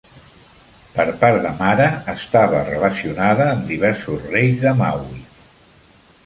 Per part de mare estava relacionada amb diversos reis de Maui.